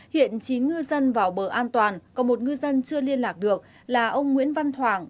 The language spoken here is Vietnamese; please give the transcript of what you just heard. hiện chín ngư dân vào bờ an toàn còn một ngư dân chưa liên lạc được là ông nguyễn văn hoàng